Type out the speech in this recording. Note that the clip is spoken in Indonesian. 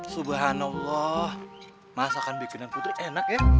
subhanallah masakan bikinan putri enak ya